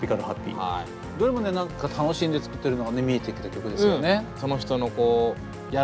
どれもね何か楽しんで作ってるのがね見えてきた曲ですよね。